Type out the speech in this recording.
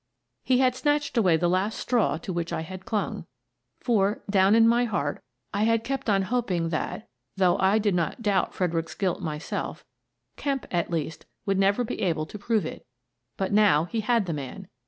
He had snatched away the last straw to which I had clung. For, down in my heart, I had kept on hoping that, though I did not doubt Fredericks's guilt myself, Kemp, at least, would never be able to prove it. But now he had the man.